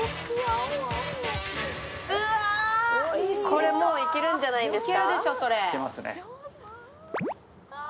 これ、もういけるんじゃないですか。